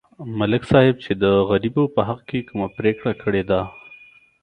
ملک صاحب چې د غریبو په حق کې کومه پرېکړه کړې ده